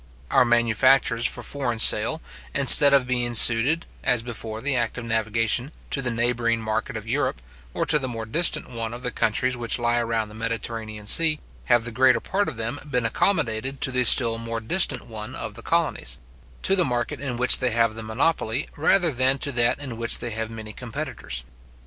Our manufactures for foreign sale, instead of being suited, as before the act of navigation, to the neighbouring market of Europe, or to the more distant one of the countries which lie round the Mediterranean sea, have the greater part of them, been accommodated to the still more distant one of the colonies; to the market in which they have the monopoly, rather than to that in which they have many competitors.